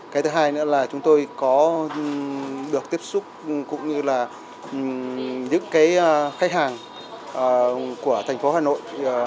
cái thứ hai nữa là chúng tôi có được tiếp xúc cũng như là những cái khách hàng của thành phố hà nội